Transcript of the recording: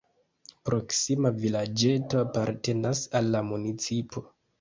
Proksima vilaĝeto apartenas al la municipo.